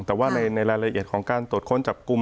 แต่ว่าในรายละเอียดของการตรวจค้นจับกลุ่ม